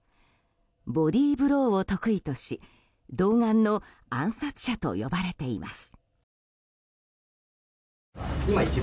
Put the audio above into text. ボディーブローを得意とし童顔の暗殺者と呼ばれています。